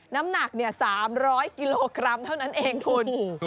น้ำหนัก๓๐๐กิโลกรัมเท่านั้นเองคุณ